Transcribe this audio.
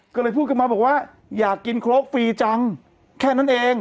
ก็เลยพูดขึ้นมาบอกว่าอยากกินโครกฟรีจังแค่นั้นเอง